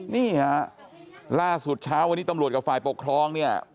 นี่ฮะล่าสุดเช้าวันนี้ตำรวจกับฝ่ายปกครองเนี่ย